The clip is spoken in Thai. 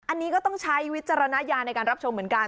อันนี้ก็ต้องใช้วิจารณญาณในการรับชมเหมือนกัน